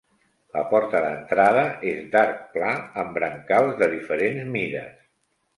La porta d'entrada és d'arc pla, amb brancals de diferents mides.